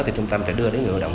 thì trung tâm sẽ đưa đến ngựa động